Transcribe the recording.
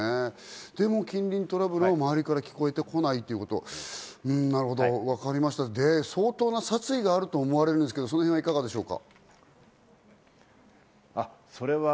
でも近隣トラブルは周りから聞こえてこないということ、相当な殺意があると思われるんですが、そこはいかがでしょうか？